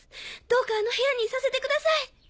どうかあの部屋にいさせてください！